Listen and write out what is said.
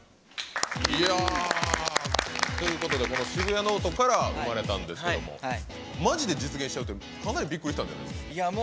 この「シブヤノオト」から生まれたんですけどもマジで実現しちゃうってかなりびっくりしたんじゃないですか。